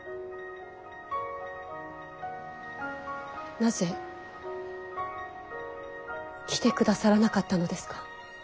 なぜ来てくださらなかったのですか？